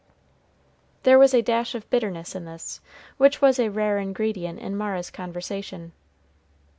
There was a dash of bitterness in this, which was a rare ingredient in Mara's conversation.